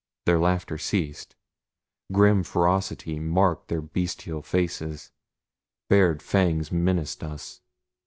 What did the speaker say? Their laughter ceased. Grim ferocity marked their bestial faces bared fangs menaced us.